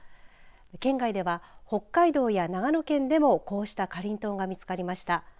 県外では北海道や長野県でもこうしたかりんとうが見つかりました。